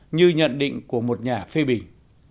như nhận định của một nhà phê bình